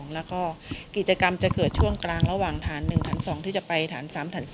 แล้วก็กิจกรรมจะเกิดช่วงกลางระหว่างฐาน๑ฐาน๒ที่จะไปฐาน๓ฐาน๒